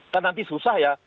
kan nanti susah ya